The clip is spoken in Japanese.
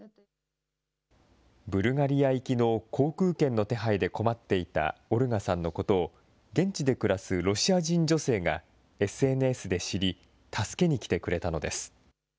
ブルガリア行きの航空券の手配で困っていたオルガさんのことを、現地で暮らすロシア人女性がＳＮＳで知り、助けに来てくれたのです。